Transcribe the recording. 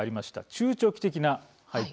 中長期的な背景